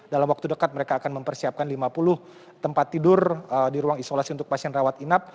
dalam waktu dekat mereka akan mempersiapkan lima puluh tempat tidur di ruang isolasi untuk pasien rawat inap